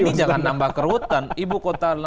ini jangan menambah keruutan